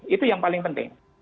itu yang paling penting